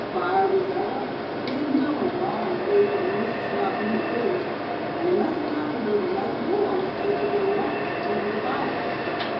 "Fire was out, wind blowing wrong way for moose to smell human critters; and he must a thought he heard 'nother bull on the edge o' ther water, wantin' to fight him.